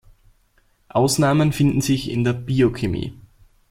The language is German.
Ausnahmen finden sich in der Biochemie.